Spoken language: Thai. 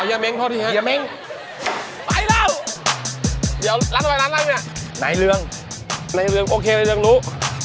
อย่าเม้งพอทีนะแม่งไปแล้วอ่ะน้ำเรืองนายเรืองโอเคเรื่องรู้